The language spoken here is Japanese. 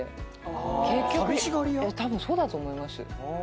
たぶんそうだと思います。